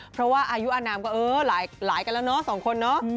เพราะว่าอายุอนามก็เออหลายกันแล้วเนาะสองคนเนาะ